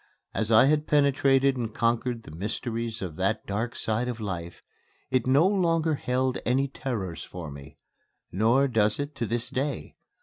As I had penetrated and conquered the mysteries of that dark side of life, it no longer held any terrors for me. Nor does it to this day.